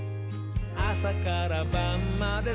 あさからばんまで」